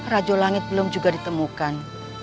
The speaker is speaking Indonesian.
rajo langit belum juga ditemukan